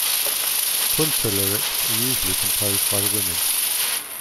Punta lyrics are usually composed by the women.